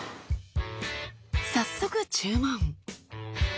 早速注文。